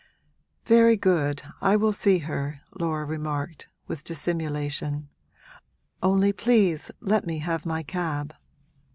'Very good, I will see her,' Laura remarked, with dissimulation: 'only please let me have my cab.'